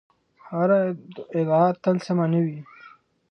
هره ادعا تل سمه نه وي.